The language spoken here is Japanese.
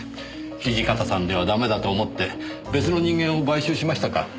土方さんではダメだと思って別の人間を買収しましたか。